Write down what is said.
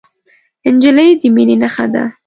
نجلۍ د مینې نښه ده.